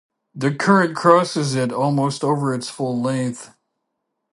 The current crosses it almost over its full length.